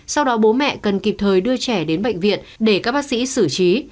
sau đó bố mẹ cần kịp thời đưa trẻ đến bệnh viện để các bác sĩ xử trí